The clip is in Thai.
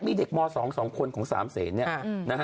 มีเด็กมสองสองคนของสามเศรษฐ์เนี่ย